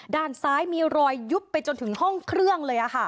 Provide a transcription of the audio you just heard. ด้านซ้ายมีรอยยุบมาจนถึงกระบะห้องเครื่อง